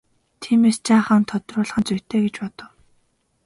Тиймээс жаахан тодруулах нь зүйтэй гэж бодов.